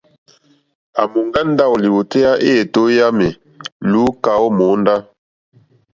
À mòŋgá ndáwò lìwòtéyá éètó yǎmì lùúkà ó mòóndá.